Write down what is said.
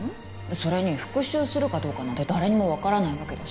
それに復讐するかどうかなんて誰にも分からないわけだし